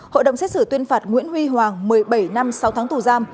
hội đồng xét xử tuyên phạt nguyễn huy hoàng một mươi bảy năm sáu tháng tù giam